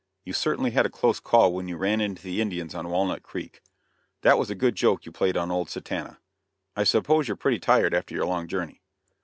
You certainly had a close call when you ran into the Indians on Walnut Creek. That was a good joke that you played on old Satanta. I suppose you're pretty tired after your long journey?"